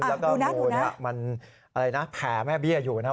แล้วก็ดูนี่มันแผลแม่เบี้ยอยู่นะ